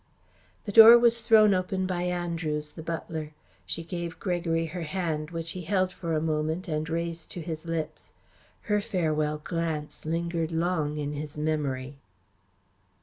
The door was thrown open by Andrews, the butler. She gave Gregory her hand which he held for a moment and raised to his lips. Her farewell glance lingered long in his memory.